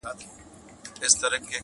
سپی دي ښخ وي دلې څه ګناه یې نسته,